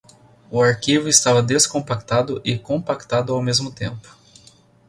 O arquivo estava descompactado e compactado ao mesmo tempo